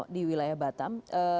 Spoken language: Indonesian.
di wilayah batam